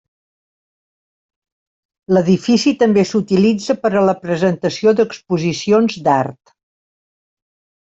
L'edifici també s'utilitza per a la presentació d'exposicions d'art.